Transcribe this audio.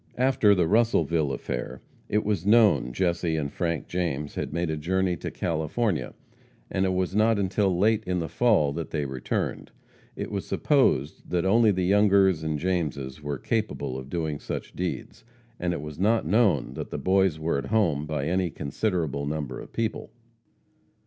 After the Russellville affair, it was known Jesse and Frank James had made a journey to California, and it was not until late in the fall that they returned. It was supposed that only the Youngers and Jameses were capable of doing such deeds, and it was not known that the Boys were at home by any considerable number of people.